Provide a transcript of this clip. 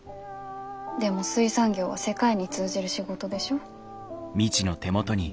でも水産業は世界に通じる仕事でしょ？